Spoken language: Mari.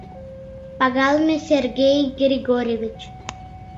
«Пагалыме Сергей Григорьевич!